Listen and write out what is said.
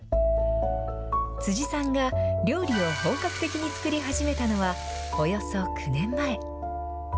辻さんが料理を本格的に作り始めたのは、およそ９年前。